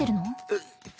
えっ？